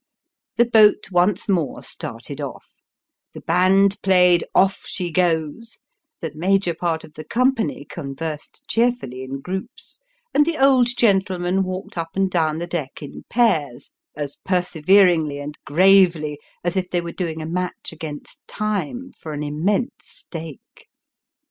The boat once more started off; the band played " Off she goes;" the major part of the company conversed cheerfully in groups ; and the old gentlemen walked up and down the deck in pairs, as per severingly and gravely as if they were doing a match against time for an immense stake.